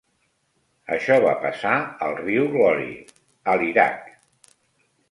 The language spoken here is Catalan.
Això va passar al riu Glory a l'Iraq.